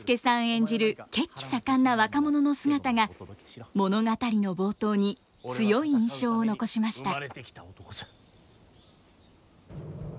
演じる血気盛んな若者の姿が物語の冒頭に強い印象を残しました。